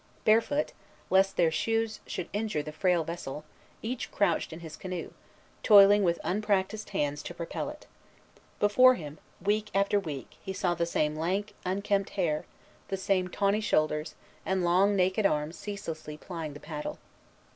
Barefoot, lest their shoes should injure the frail vessel, each crouched in his canoe, toiling with unpractised hands to propel it. Before him, week after week, he saw the same lank, unkempt hair, the same tawny shoulders, and long, naked arms ceaselessly plying the paddle.